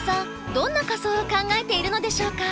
どんな仮装を考えているのでしょうか？